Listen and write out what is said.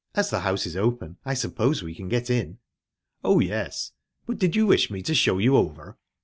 As the house is open, I suppose we can get in?" "Oh, yes but did you wish me to show you over?"